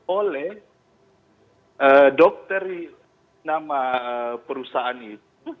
oleh dokter nama perusahaan itu